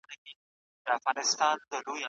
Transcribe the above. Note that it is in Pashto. د تعلیم تصفیه د ټولني د ستونزو حل دی.